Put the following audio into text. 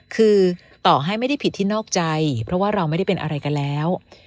คือต่อให้ไม่ได้ผิดที่นอกใจเพราะว่าเราไม่ได้เป็นอะไรกันแล้ว